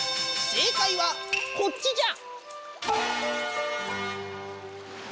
正解はこっちじゃ。